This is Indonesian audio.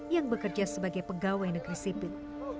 yang bekerja sebagai pegawai negeri sipil